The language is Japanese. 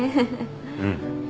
うん。